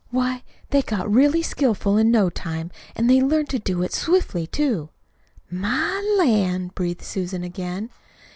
Why, they got really skillful in no time, and they learned to do it swiftly, too." "My lan'!" breathed Susan again.